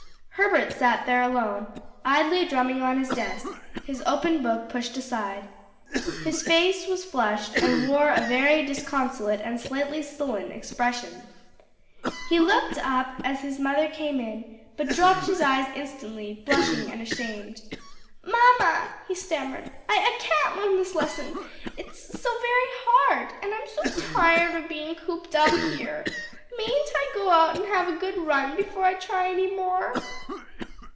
Herbert sat there alone, idly drumming on his desk, the open book pushed aside. His face was flushed and wore a very disconsolate and slightly sullen expression. He looked up as his mother came in, but dropped his eyes instantly, blushing and ashamed. "Mamma," he stammered, "I I can't learn this lesson, it's so very hard, and I'm so tired of being cooped up here. Mayn't I go out and have a good run before I try any more?"